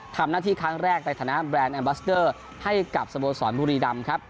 ทำหน้าที่ครั้งแรกในฐานะแบรนดแอมบัสเดอร์ให้กับสโมสรบุรีดำครับ